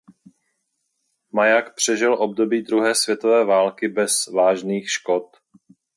Maják přežil období druhé světové války bez vážných škod.